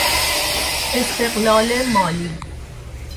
استقلال مالی